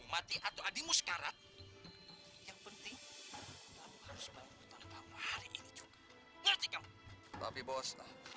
mati atau adikmu sekarang yang penting hari ini tapi bos